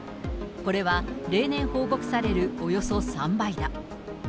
これは例年報告されるおよそ３倍だ。